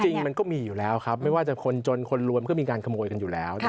มันก็มีอยู่แล้วครับไม่ว่าจะคนจนคนรวมก็มีการขโมยกันอยู่แล้ว